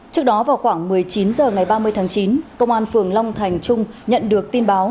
trước đó vào khoảng một mươi chín h ngày ba mươi tháng chín công an phường long thành trung nhận được tin báo